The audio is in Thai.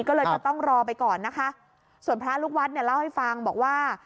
ก็เลยจะต้องรอไปก่อนนะคะส่วนพระลูกวัดเนี่ยเล่าให้ฟังบอกว่า